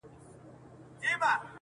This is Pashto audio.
• چا له دم چا له دوا د رنځ شفا سي..